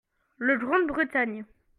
Le Grande-Bretagne.